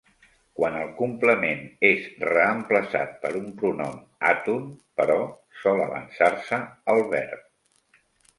Quan el complement és reemplaçat per un pronom àton, però, sol avançar-se al verb.